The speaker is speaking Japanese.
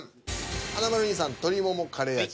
華丸兄さん「鶏ももカレー味」